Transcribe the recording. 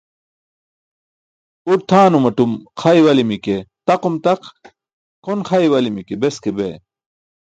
Uṭ tʰaanumatum xa iwali̇mi̇ ke taqum taq, kʰon xa iwali̇mi̇ ke beske bee.